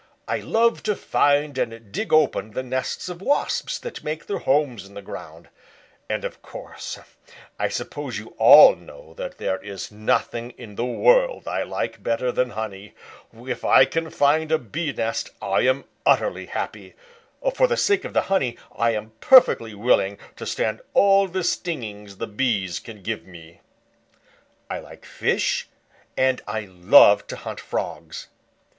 I love to find and dig open the nests of Wasps that make their homes in the ground, and of course I suppose you all know that there is nothing in the world I like better than honey. If I can find a Bee nest I am utterly happy. For the sake of the honey, I am perfectly willing to stand all the stinging the Bees can give me. I like fish and I love to hunt Frogs.